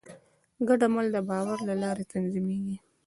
ګډ عمل د باور له لارې تنظیمېږي.